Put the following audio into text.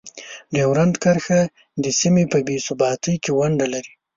ډیورنډ کرښه د سیمې په بې ثباتۍ کې ونډه لري.